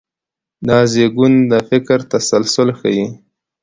دا زېږون د فکر تسلسل ښيي.